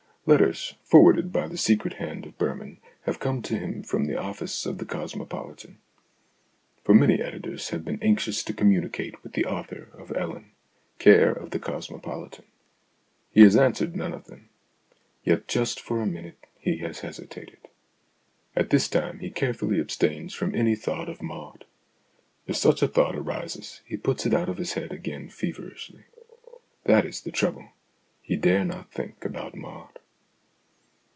Letters, forwarded by the secret hand of Birman, have come to him from the office of The Cosmopolitan. For many editors have been anxious to communicate with the author of " Ellen," care of The Cosmopolitan. He has answered none of them. Yet, just for a minute, he has hesitated. At this time he carefully abstains from any thought of Maud ; if such a thought arises, he. puts it out of his head again feverishly. That is the trouble he dare not think about Maud.